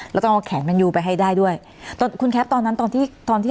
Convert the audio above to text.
แล้วต้องเอาแขนแมนยูไปให้ได้ด้วยตอนคุณแคปตอนนั้นตอนที่ตอนที่